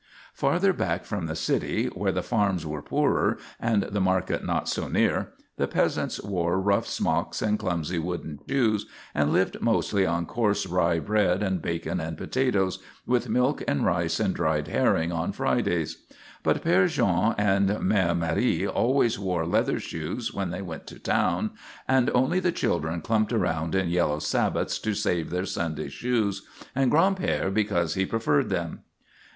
Farther back from the city, where the farms were poorer and the market not so near, the peasants wore rough smocks and clumsy wooden shoes and lived mostly on coarse rye bread and bacon and potatoes, with milk and rice and dried herring on Fridays. But Père Jean and Mère Marie always wore leather shoes when they went to town, and only the children clumped around in yellow sabots to save their Sunday shoes, and Gran'père because he preferred them.